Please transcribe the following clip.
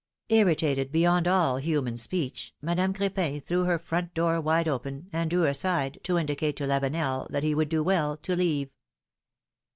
'' Irritated beyond all human speech, Madame Cr6pin threw her front door wide open, and drew aside, to indicate to Lavenel that he would do well to leave.